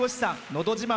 「のど自慢」